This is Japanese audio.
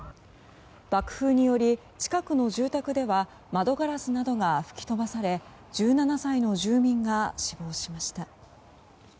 爆風により、近くの住宅では窓ガラスなどが吹き飛ばされ１７歳の住民が死亡しました。